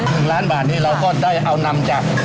หนึ่งล้านบาทนี้เราก็ได้เอานำจาก